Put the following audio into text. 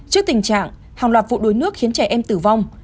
trước tình trạng hàng loạt vụ đuối nước khiến trẻ em tử vong